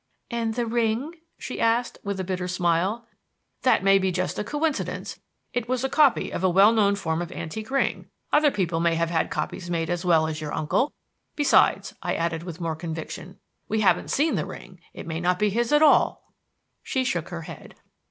"And the ring?" she asked, with a bitter smile. "That may be just a coincidence. It was a copy of a well known form of antique ring. Other people may have had copies made as well as your uncle. Besides," I added with more conviction, "we haven't seen the ring. It may not be his at all." She shook her head.